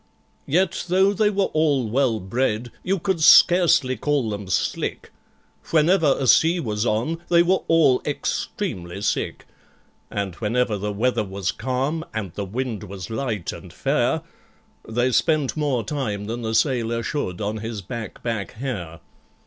Yet, though they were all well bred, you could scarcely call them slick: Whenever a sea was on, they were all extremely sick; And whenever the weather was calm, and the wind was light and fair, They spent more time than a sailor should on his back back hair.